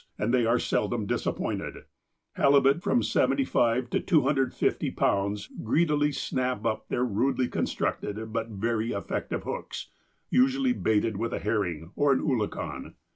And they are seldom disap pointed. Halibut of from 75 to 250 pounds greedily snap at their rudely constructed, but very effective hooks, usually baited with a herring or an oolakan.